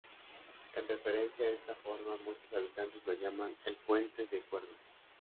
En referencia a esta forma muchos habitantes lo llaman "el Puente de Cuerdas".